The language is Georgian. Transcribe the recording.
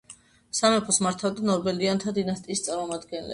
სამეფოს მართავდნენ ორბელიანთა დინასტიის წარმომადგენლები.